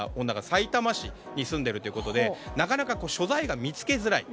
さいたま市に住んでいるということでなかなか所在が見つけづらい。